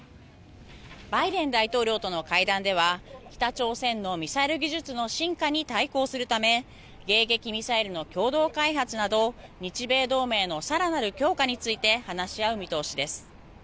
バイデン大統領との会談では北朝鮮のミサイル技術の進化に対応するため迎撃ミサイルの共同開発など日米同盟の更なる強化について話し合う見通しです。